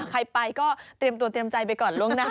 ใครไปก็เตรียมตัวเตรียมใจไปก่อนล่วงหน้า